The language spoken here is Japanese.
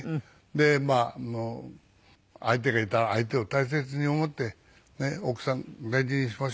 でまあ相手がいたら相手を大切に思って「奥さん何にしましょう？